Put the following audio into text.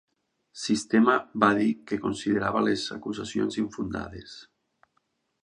Sistema va dir que considerava les acusacions infundades.